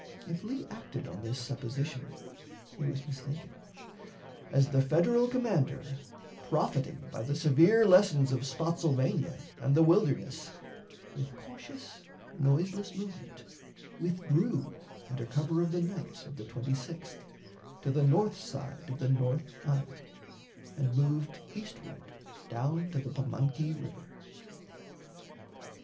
If Lee acted on this supposition, he was mistaken, as the Federal commander, profiting by the severe lessons of Spottsylvania and the Wilderness, with cautious, noiseless movement, withdrew under cover of the night of the 26th to the north side of the North Anna, and moved eastward down to the Pamunkey River.